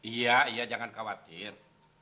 iya iya jangan khawatir